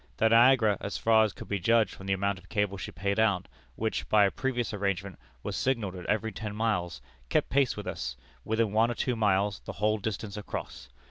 The Niagara, as far as could be judged from the amount of cable she paid out, which, by a previous arrangement, was signalled at every ten miles, kept pace with us, within one or two miles, the whole distance across.